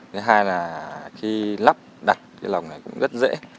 thứ hai là khi lắp đặt cái lồng này cũng rất dễ